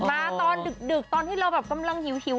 มาตอนดึกตอนที่เราแบบกำลังหิว